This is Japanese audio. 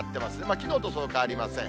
きのうとそう変わりません。